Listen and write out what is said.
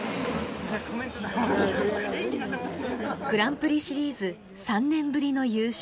グランプリシリーズ３年ぶりの優勝。